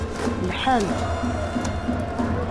Lḥant.